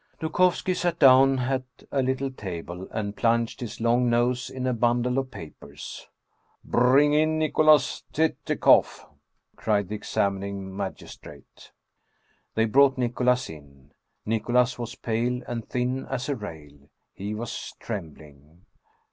Dukovski sat down at a little table, and plunged his long nose in a bundle of papers. " Bring in Nicholas Tetekhoff !" cried the examining magistrate. 170 Anton Chekhoff They brought Nicholas in. Nicholas was pale and thin as a rail. He was trembling.